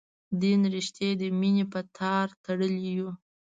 دین رشتې د مینې په تار تړلي یو.